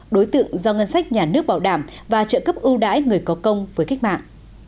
đối tượng do ngân sách nhà nước bảo đảm và trợ cấp ưu đãi người có công với cách mạng